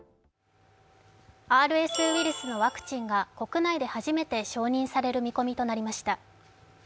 ＲＳウイルスのワクチンが国内で初めて承認される見込みとなりました。